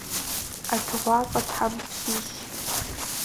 ӀэтыгъуафӀэ тхьэм фщищӀ.